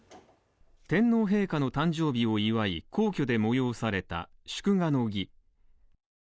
天皇陛下の誕生日を祝い皇居で催された祝賀の儀。